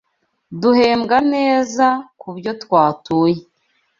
Duhembwa neza kubyo twatuye